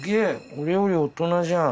俺より大人じゃん。